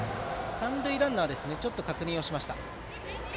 三塁ランナー、確認をしました。